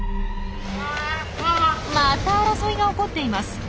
また争いが起こっています。